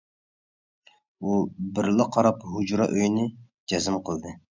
ئۇ بىرلا قاراپ ھۇجرا ئۆينى جەزم قىلدى.